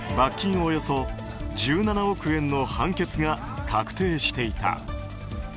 およそ１７億円の判決が確定していた。